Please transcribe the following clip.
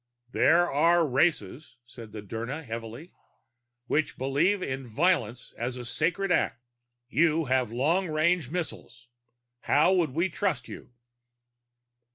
"There are races," said the Dirnan heavily, "which believe in violence as a sacred act. You have long range missiles. How might we trust you?"